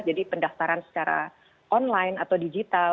jadi pendaftaran secara online atau digital